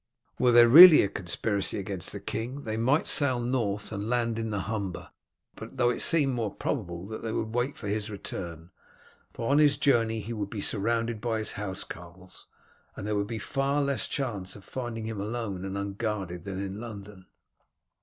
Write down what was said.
Were there really a conspiracy against the king they might sail north and land in the Humber, though it seemed more probable that they would wait for his return, for on his journey he would be surrounded by his housecarls, and there would be far less chance of finding him alone and unguarded than in London.